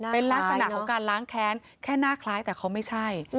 เป็นลักษณะของการล้างแค้นแค่หน้าคล้ายแต่เขาไม่ใช่